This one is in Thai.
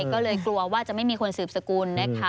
ก็เลยกลัวว่าจะไม่มีคนสืบสกุลนะคะ